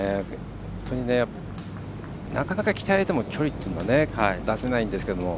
本当になかなか鍛え上げても距離っていうのは出せないんですけど。